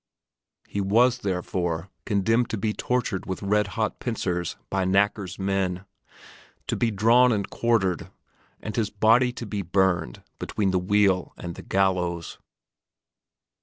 He was therefore condemned to be tortured with red hot pincers by knacker's men, to be drawn and quartered, and his body to be burned between the wheel and the gallows.